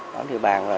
bám địa bàn